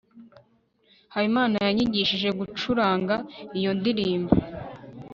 habimana yanyigishije gucuranga iyo ndirimbo